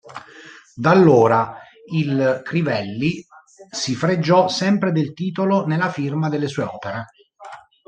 Da allora il Crivelli si fregiò sempre del titolo nella firma delle sue opere.